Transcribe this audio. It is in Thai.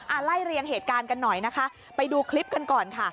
ไล่เรียงเหตุการณ์กันหน่อยนะคะไปดูคลิปกันก่อนค่ะ